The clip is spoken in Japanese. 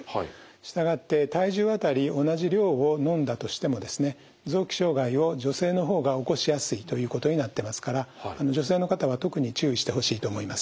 従って体重当たり同じ量を飲んだとしてもですね臓器障害を女性の方が起こしやすいということになってますから女性の方は特に注意してほしいと思います。